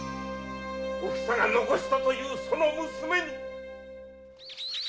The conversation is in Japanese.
おふさが残したというその娘に！